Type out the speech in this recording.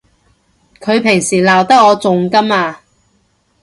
佢平時鬧得我仲甘啊！